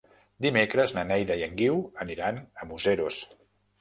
Dimecres na Neida i en Guiu aniran a Museros.